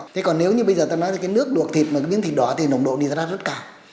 thế còn nếu như bây giờ ta nói là cái nước luộc thịt mà cái miếng thịt đỏ thì nồng độ nitrate rất cao